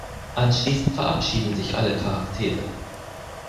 Anschließend verabschieden sich alle Charaktere.